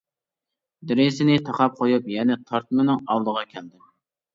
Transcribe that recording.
دېرىزىنى تاقاپ قويۇپ يەنە تارتمىنىڭ ئالدىغا كەلدىم.